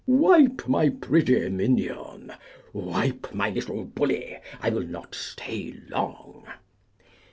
Wipe, my pretty minion; wipe, my little bully; I will not stay long.